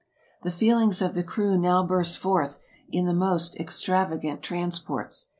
The feelings of the crew now burst forth in the most ex travagant transports.